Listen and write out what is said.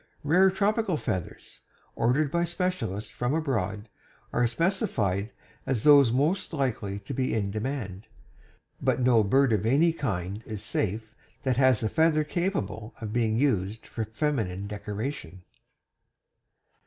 "Rare tropical feathers," ordered by specialists from abroad, are specified as those most likely to be in demand, but no bird of any kind is safe that has a feather capable of being used for feminine decoration.